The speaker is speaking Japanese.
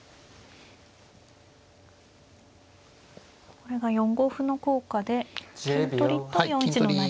これが４五歩の効果で金取りと４一の成り。